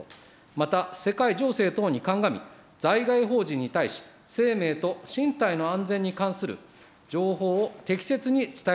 また世界情勢等に鑑み、在外邦人に対し、生命と身体の安全に関する情報を適切に伝えるよう努めること。